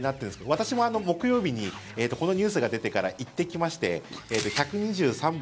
私も木曜日にこのニュースが出てから行ってきまして、１２３杯。